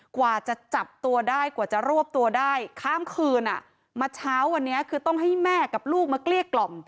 กว่าจะจับตัวได้กว่าจะรวบตัวได้ข้ามคืนอ่ะมาเช้าวันนี้คือต้องให้แม่กับลูกมาเกลี้ยกล่อม